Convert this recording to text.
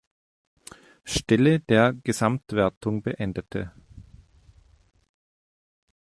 Stelle der Gesamtwertung beendete.